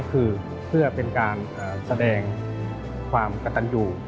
คือเพื่อเป็นการแสดงความกระตันอยู่